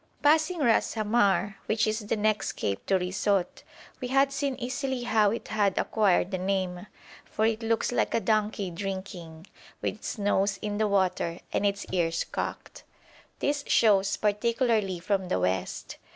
Passing Ras Hamar, which is the next cape to Risout, we had seen easily how it had acquired the name, for it looks like a donkey drinking, with its nose in the water and its ears cocked. This shows particularly from the west.